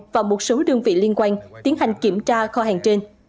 và một số đơn vị liên quan tiến hành kiểm tra kho hàng trên